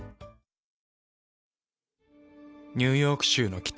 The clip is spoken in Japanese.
ニューヨーク州の北。